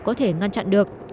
có thể ngăn chặn được